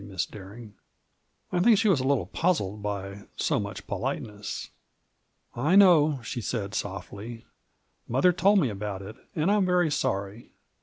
Miss Bering." I think she was a little puzzled by so much polite ness. "I know," she said, softly; "mother told me about it, and I'm very sorry.